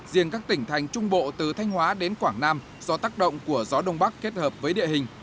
riêng các tỉnh thành trung bộ từ thanh hóa đến quảng nam do tác động của gió đông bắc kết hợp với địa hình